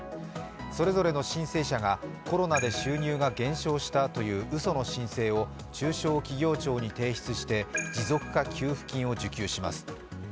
それぞれの申請者がコロナで収入が減少したといううその申請を中小企業庁に提出して持続化給付金を受給します。